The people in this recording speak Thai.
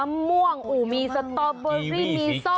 มะม่วงมีสตอร์เบอร์รี่มีส้ม